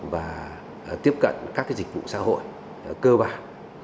và tiếp cận các dịch vụ xã hội cơ bản